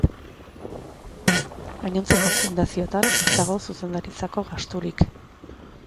Gainontzeko fundazioetan ez dago zuzendaritzako gasturik.